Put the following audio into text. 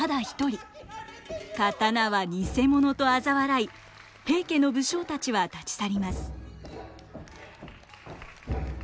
刀は偽物とあざ笑い平家の武将たちは立ち去ります。